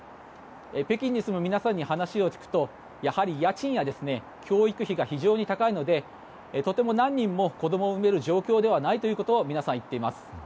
北京に住む皆さんに話を聞くとやはり家賃や教育費が非常に高いのでとても何人も子供を産める状況ではないということを皆さん、言っています。